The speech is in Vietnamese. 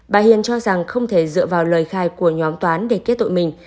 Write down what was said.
bà hiền cho rằng không thể dựa vào lời khai của nhóm toán để kết tội mình